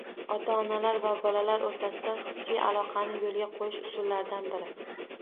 Ota-onalar va bolalar o‘rtasida hissiy aloqani yo‘lga qo‘yish usullaridan biri